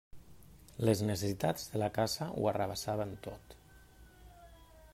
Les necessitats de la casa ho arrabassaven tot.